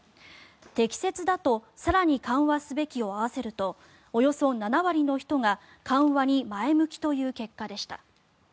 適切だと更に緩和すべきを合わせるとおよそ７割の人が緩和に前向きという結果でした。